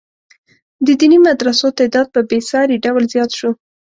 د دیني مدرسو تعداد په بې ساري ډول زیات شو.